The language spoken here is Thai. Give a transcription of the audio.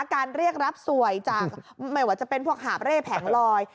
การเรียกรับสวยจากไม่ว่าจะเป็นพวกหาบเร่แผงลอย